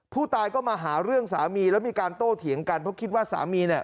ผู้ตายก็มาหาเรื่องสามีแล้วมีการโต้เถียงกันเพราะคิดว่าสามีเนี่ย